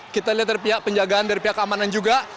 kita lihat dari pihak penjagaan dari pihak keamanan juga